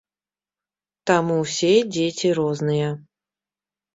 Таму ўсе дзеці розныя.